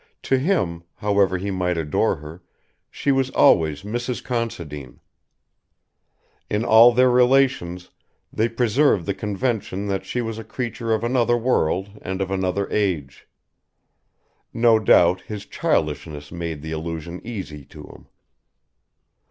To him, however he might adore her, she was always Mrs. Considine. In all their relations they preserved the convention that she was a creature of another world and of another age. No doubt his childishness made the illusion easy to him.